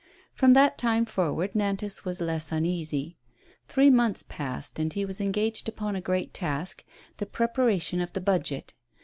From that time forward Nantas was less uneasy. Three months passed, and he was engaged upon a great task — the preparation of the Budget.